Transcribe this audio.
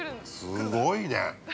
すごいね。